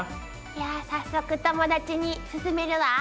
いや早速友達に勧めるわ。